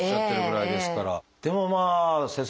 でもまあ先生